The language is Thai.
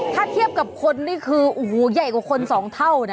ถ้าเทียบกับคนนี่คือโอ้โหใหญ่กว่าคนสองเท่านะ